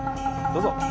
どうぞ！